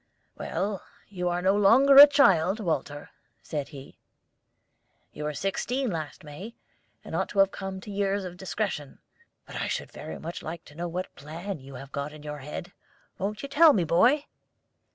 "Well, you are no longer a child, Walter," said he. "You were sixteen last May, and ought to have come to years of discretion. But I should very much like to know what plan you have got in your head. Won't you tell me, boy?"